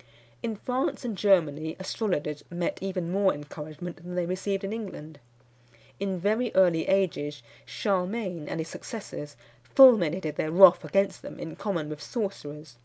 _" In France and Germany astrologers met even more encouragement than they received in England. In very early ages Charlemagne and his successors fulminated their wrath against them in common with sorcerers.